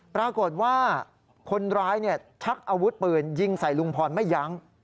ปรากฏว่าคนร้ายชักอาวุธปืนยิงใส่ลุงพรไม่ยั้ง